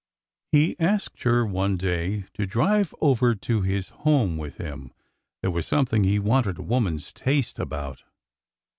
He asked her one day to drive over to his home with him,— there was something he wanted a woman's taste about.